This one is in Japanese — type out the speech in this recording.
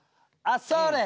あっそれ！